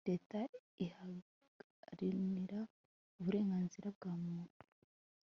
leta iharanira uburenganzira bwa muntu